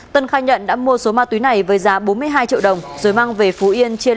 tân khai nhận đã mua số ma túy này với giá bốn mươi hai triệu đồng rồi mang về phú yên chia